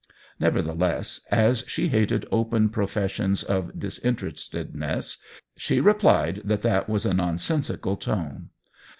Nevertheless, as she hated open professions THE WHEEL OF TIME II of disinterestedness, she replied that that was a nonsensical tone.